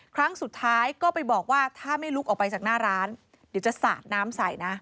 ครั้งสุดท้ายก็ไปบอกว่าถ้าไม่ลุกออกไปจากหน้าร้านเดี๋ยวจะสาดน้ำใส่นะ